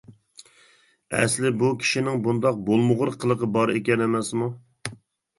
ئەسلى بۇ كىشىنىڭ بۇنداق بولمىغۇر قىلىقى باركەن ئەمەسمۇ.